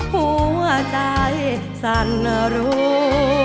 หัวใจสั่นรู้